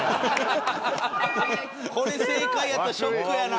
これ正解やったらショックやな！